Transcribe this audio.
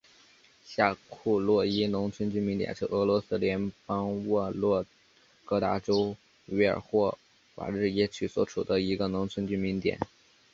下库洛伊农村居民点是俄罗斯联邦沃洛格达州韦尔霍瓦日耶区所属的一个农村居民点。